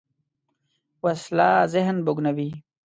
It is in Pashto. وسله ذهن بوږنوې